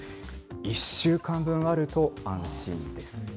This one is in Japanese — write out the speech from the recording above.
１週間分あると安心です。